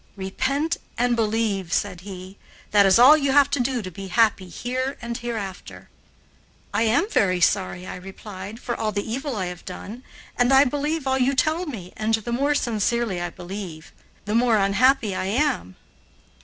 "Repent and believe," said he, "that is all you have to do to be happy here and hereafter." "I am very sorry," I replied, "for all the evil I have done, and I believe all you tell me, and the more sincerely I believe, the more unhappy I am."